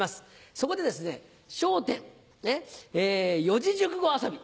そこでですね笑点四字熟語遊び。